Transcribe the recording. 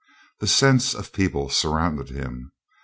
The sense of people surrounded him.